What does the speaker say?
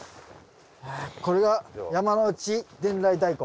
これが山内伝来大根。